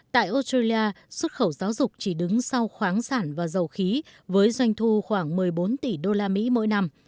tại australia xuất khẩu giáo dục chỉ đứng sau khoáng sản và dầu khí với doanh thu khoảng một mươi bốn tỷ đô la mỹ mỗi năm